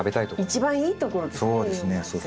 一番いいところですね